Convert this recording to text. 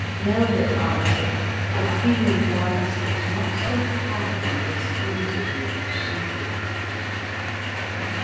Melville an swered, " The queen dancit not so high and disposedly as she did."